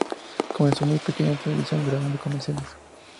Comenzó muy pequeña en la televisión, grabando comerciales.